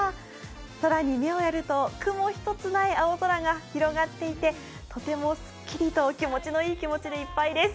更に目をやると雲ひとつない青空が広がっていてとてもすっきりと気持ちのいい気持ちでいっぱいです。